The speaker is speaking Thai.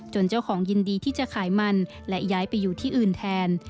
เจ้าของยินดีที่จะขายมันและย้ายไปอยู่ที่อื่นแทน